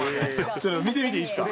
ちょっと見てみていいですか？